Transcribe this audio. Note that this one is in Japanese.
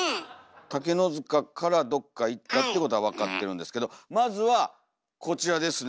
竹の塚からどっか行ったっていうことは分かってるんですけどまずはこちらですね。